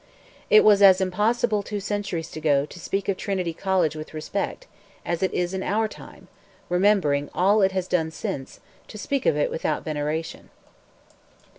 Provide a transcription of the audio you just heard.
It was as impossible two centuries ago, to speak of Trinity College with respect, as it is in our time, remembering all it has since done, to speak of it without veneration.